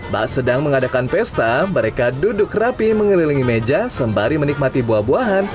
saat sedang mengadakan pesta mereka duduk rapi mengelilingi meja sembari menikmati buah buahan